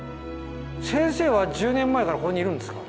先生は１０年前からここにいるんですか？